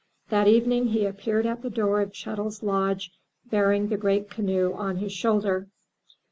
That evening he appeared at the door of ChetTs lodge bearing the great canoe on his shoulder.